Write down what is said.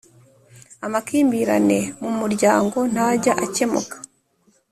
Amakimbirane mu muryango ntajya akemuka